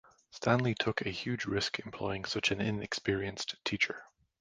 Stanley took a huge risk employing such an inexperienced teacher.